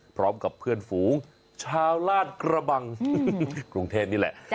พร้อมกับเพื่อนฝูงชาวลาดกระบังกรุงเทพนี่แหละ